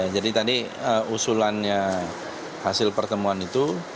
jadi tadi usulannya hasil pertemuan itu